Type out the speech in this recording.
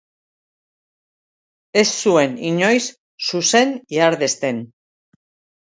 Ez zuen inoiz zuzen ihardesten